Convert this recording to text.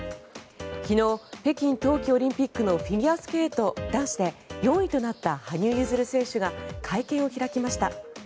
昨日、北京冬季オリンピックのフィギュアスケート男子で４位となった羽生結弦選手が会見を開きました。